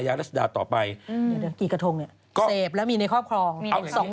แสดงว่าพวกนี้กฎหมายก็คือยีกแยกกัน